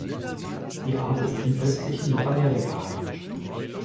Die Art ist im östlichen Nordamerika heimisch.